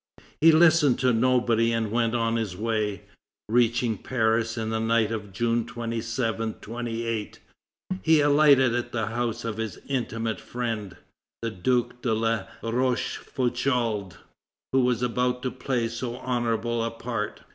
He listened to nobody and went on his way. Reaching Paris in the night of June 27 28, he alighted at the house of his intimate friend, the Duke de La Rochefoucauld, who was about to play so honorable a part.